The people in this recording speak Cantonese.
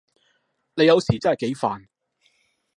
你有時真係幾煩